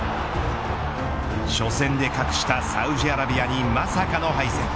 初戦で格下サウジアラビアにまさかの敗戦。